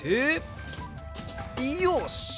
よし。